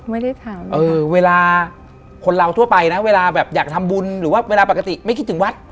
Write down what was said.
ไม่ได้ทำเออเวลาคนเราทั่วไปนะเวลาแบบอยากทำบุญหรือว่าเวลาปกติไม่คิดถึงวัด